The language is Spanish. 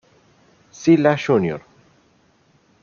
Zilla Jr.